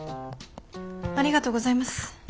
ありがとうございます。